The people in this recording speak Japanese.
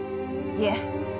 いえ。